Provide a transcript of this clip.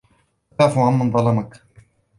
وَتَعْفُوَ عَمَّنْ ظَلَمَكَ